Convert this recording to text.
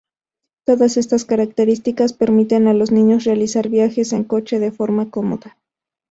Todas estas características permiten a los niños realizar viajes en coche de forma cómoda.